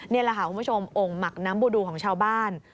นี่แหละค่ะคุณผู้ชมโอ่งหมักน้ำบูดูของชาวบ้าน